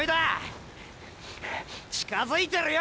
近づいてるよ！